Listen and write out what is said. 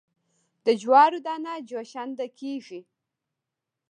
د جوارو دانه جوشانده کیږي.